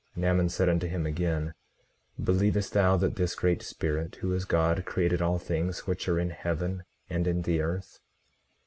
And Ammon said unto him again: Believest thou that this Great Spirit, who is God, created all things which are in heaven and in the earth?